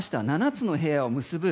７つの部屋を結ぶ